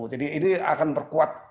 jadi ini akan memperkuat